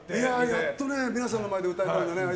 やっと皆さんの前で歌えたのでね。